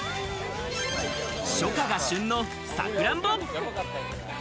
初夏が旬のさくらんぼ。